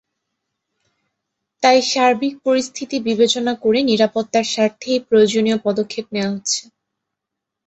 তাই সার্বিক পরিস্থিতি বিবেচনা করে নিরাপত্তার স্বার্থেই প্রয়োজনীয় পদক্ষেপ নেওয়া হচ্ছে।